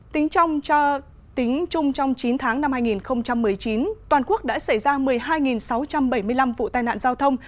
tính chung trong chín tháng năm hai nghìn một mươi chín toàn quốc đã xảy ra một mươi hai sáu trăm bảy mươi năm vụ tai nạn giao thông